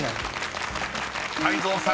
［泰造さん